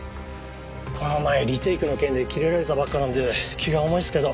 この前リテイクの件でキレられたばっかなんで気が重いっすけど。